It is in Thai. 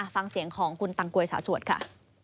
ฟังเสียงของคุณตังกวยสาวสวดค่ะ